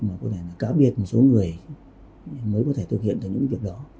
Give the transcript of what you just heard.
mà có thể là cá biệt một số người mới có thể thực hiện được những việc đó